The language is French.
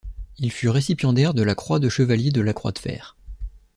Il fut récipiendaire de la Croix de chevalier de la Croix de fer.